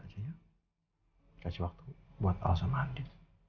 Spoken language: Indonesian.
kita kasih waktu buat alasan mandi